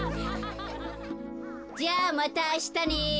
じゃあまたあしたね。